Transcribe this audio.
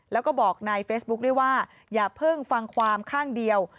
แล้วก็บอกในเฟซบุ๊คด้วยว่าอย่าเพิ่งฟังความข้างเดียว